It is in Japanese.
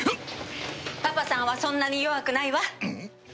パパさんはそんなに弱くないわ。